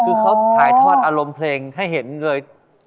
คือเขาถ่ายทอดอารมณ์เพลงให้เห็นเลย